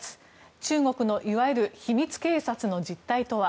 中国のいわゆる秘密警察の実態とは。